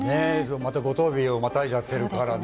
また五十日をまたいじゃってるからね。